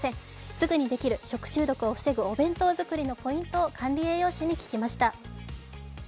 すぐにできる食中毒を防ぐお弁当作りのポイントを管理栄養士に聞きました。